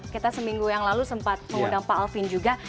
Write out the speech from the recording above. kita seminggu yang lalu sempat mengundang pak alvin juga